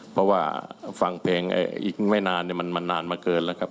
เพราะว่าฟังเพลงอีกไม่นานมันนานมาเกินแล้วครับ